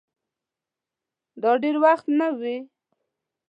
دا دېر وخت نه وې